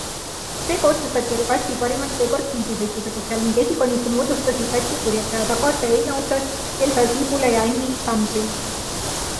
Seega otsustati regati parimad seekord fliidisõitude põhjal ning esikolmiku moodustasid Läti purjetajad Agate Einause, Elza Cibule ja Emils Amsils.